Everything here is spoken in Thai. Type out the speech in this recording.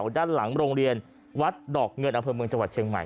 ด้านหลังโรงเรียนวัดดอกเงินอำเภอเมืองจังหวัดเชียงใหม่